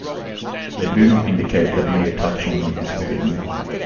They do not indicate that mere touching is forbidden.